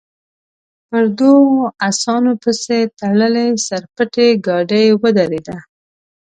پر دوو اسانو پسې تړلې سر پټې ګاډۍ ودرېده.